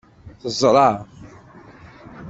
Teẓra.